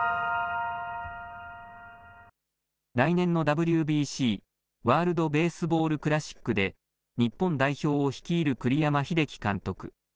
来年のＷＢＣ・ワールドベースボールクラシックで日本代表を率いる栗山英樹監督。